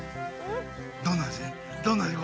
どんな味？